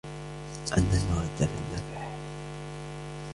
أَنَّ الْمَوَدَّةَ النِّكَاحُ